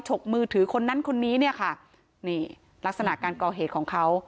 กมือถือคนนั้นคนนี้เนี่ยค่ะนี่ลักษณะการก่อเหตุของเขา